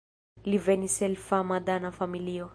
Li venis el fama dana familio.